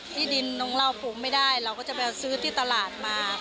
ที่ดินของเราปลูกไม่ได้เราก็จะไปซื้อที่ตลาดมา